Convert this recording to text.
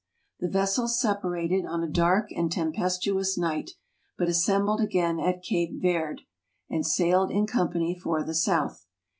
The vessels separated on a dark and tempestuous night, but assembled again at Cape Verde, and sailed in company for the south.